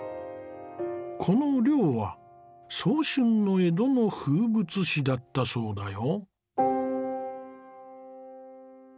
この漁は早春の江戸の風物詩だったそうだよ。